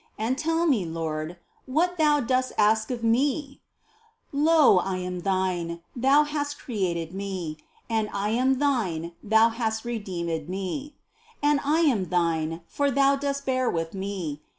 And tell me, Lord, what Thou dost ask of me ! Lo, I am Thine ! Thou hast created me : And I am Thine, Thou hast redeemed me : And I am Thine, for Thou dost bear with me.